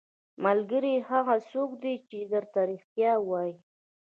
ملګری هغه څوک دی چې درته رښتیا وايي.